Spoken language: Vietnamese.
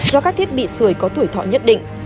do các thiết bị sửa có tuổi thọ nhất định